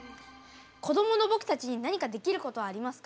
子どもの僕たちに何かできることはありますか？